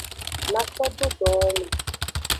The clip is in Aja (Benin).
Na so do dowowo me.